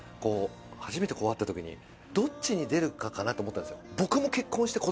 初めて会った時にどっちに出るかなと思ったんです。